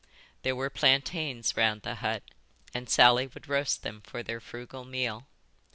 There were plantains round the hut and Sally would roast them for their frugal meal.